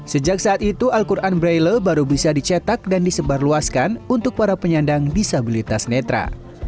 sejak saat itu al quran braille baru bisa dicetak dan disebarluaskan untuk para penyandang disabilitas netra